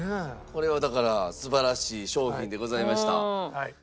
これはだから素晴らしい商品でございました。